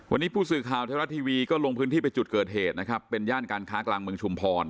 วันนี้ผู้สื่อข่าวไทยรัฐทีวีก็ลงพื้นที่ไปจุดเกิดเหตุนะครับเป็นย่านการค้ากลางเมืองชุมพร